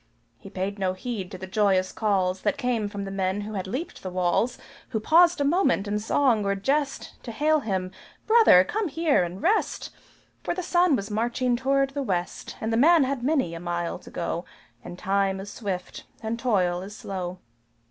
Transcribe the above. He paid no heed to the joyous calls That came from men who had leaped the walls Who paused a moment in song or jest, To hail him "Brother, come here and rest!" For the Sun was marching toward the West, And the man had many a mile to go, And time is swift and toil is slow.